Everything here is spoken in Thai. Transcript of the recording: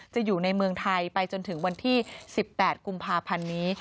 อยู่ในเมืองไทยไปจนถึงวันที่๑๘กุมภาพันธ์นี้